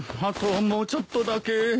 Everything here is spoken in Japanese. あともうちょっとだけ。